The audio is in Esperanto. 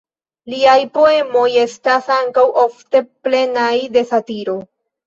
Liaj poemoj estas ankaŭ ofte plenaj de satiro.